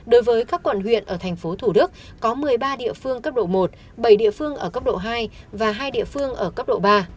đối với các quận huyện ở thành phố thủ đức có một mươi ba địa phương cấp độ một bảy địa phương ở cấp độ hai và hai địa phương ở cấp độ ba